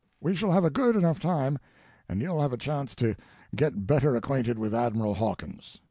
We shall have a good enough time. And you'll have a chance to get better acquainted with Admiral Hawkins.